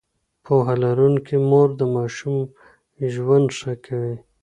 پوهه لرونکې مور د ماشوم ژوند ښه کوي.